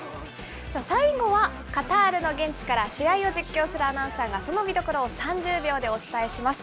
最後はカタールの現地から試合を実況するアナウンサーがその見どころを３０秒でお伝えします。